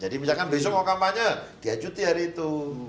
jadi misalkan besok mau kampanye dia cuti hari itu